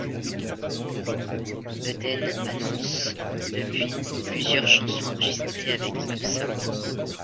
Budden annonce, depuis, plusieurs chansons enregistrées avec Ab-Soul.